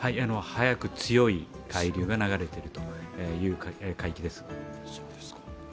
早く強い海流が流れている海域です。